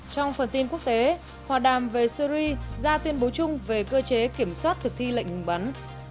trong phần tin quốc tế hòa đàm về syri ra tuyên bố chung về cơ chế kiểm soát thực thi lệnh ngừng bắn